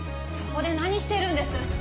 そこで何してるんです？